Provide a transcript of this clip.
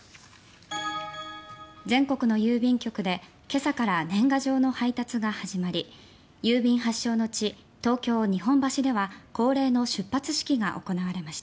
全国の郵便局で今朝から年賀状の配達が始まり郵便発祥の地東京・日本橋では恒例の出発式が行われました。